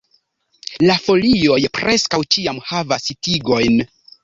La folioj preskaŭ ĉiam havas tigojn.